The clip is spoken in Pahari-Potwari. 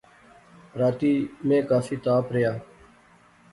راتی میں کافی تپ رہیا